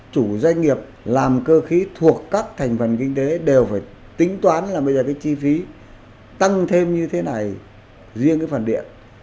chủ doanh nghiệp làm cơ khí thuộc các thành phần kinh tế đều phải tính toán là bây giờ cái chi phí tăng thêm như thế này riêng cái phần điện